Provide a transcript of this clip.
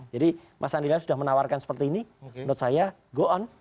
jadi mas andi arief sudah menawarkan seperti ini menurut saya go on